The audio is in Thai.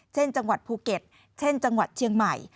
จังหวัดภูเก็ตเช่นจังหวัดเชียงใหม่